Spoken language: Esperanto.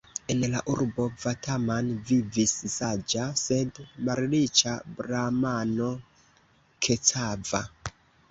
En la urbo Vataman vivis saĝa, sed malriĉa bramano Kecava.